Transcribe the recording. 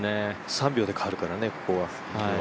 ３秒で変わるからね、ここは。